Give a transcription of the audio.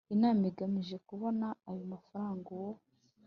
inama agamije kubona ayo mafaranga uwo